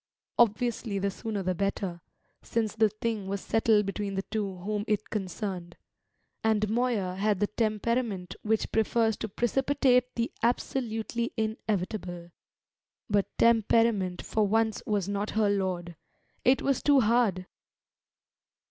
Obviously the sooner the better, since the thing was settled between the two whom it concerned; and Moya had the temperament which prefers to precipitate the absolutely inevitable; but temperament for once was not her lord. It was too hard!